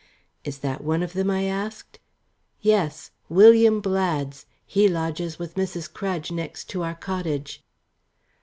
"Is that one of them?" I asked. "Yes; William Blads. He lodges with Mrs. Crudge next to our cottage."